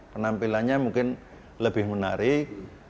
penampilannya mungkin lebih menarik